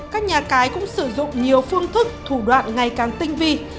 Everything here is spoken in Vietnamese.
các nhà cái cũng sử dụng nhiều phương thức thủ đoạn ngày càng tinh vi